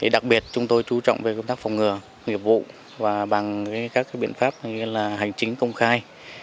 đặc biệt chúng tôi trú trọng về công tác phòng ngừa nghiệp vụ và bằng các biện pháp hành chính công khai